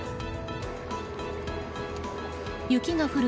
雪が降る